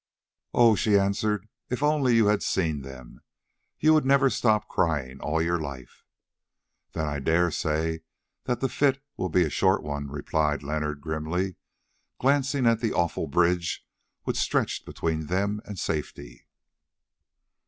"Oh!" she answered, "if only you had seen them, you would never stop crying all your life." "Then I dare say that the fit will be a short one," replied Leonard grimly, glancing at the awful bridge which stretched between them and safety.